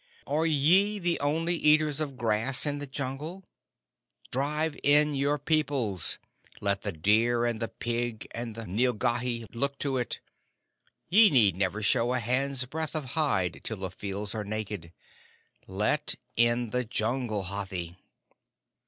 "Are ye the only eaters of grass in the Jungle? Drive in your peoples. Let the deer and the pig and the nilghai look to it. Ye need never show a hand's breadth of hide till the fields are naked. Let in the Jungle, Hathi!"